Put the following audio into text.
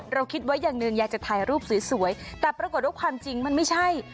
คิดไว้อย่างหนึ่งอยากจะถ่ายรูปสวยแต่ปรากฏว่าความจริงมันไม่ใช่